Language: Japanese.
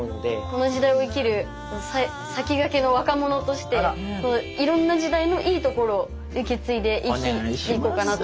この時代を生きる先駆けの若者としていろんな時代のいいところを受け継いでいこうかなと思いました。